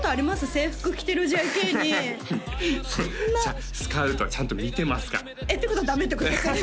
制服着てるＪＫにそんなスカウトはちゃんと見てますからえっってことはダメってことですよね？